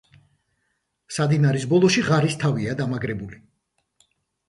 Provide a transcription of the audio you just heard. სადინარის ბოლოში ღარის თავია დამაგრებული.